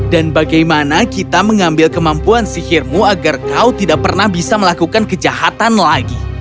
dan bagaimana kita mengambil kemampuan sihirmu agar kau tidak pernah bisa melakukan kejahatan lagi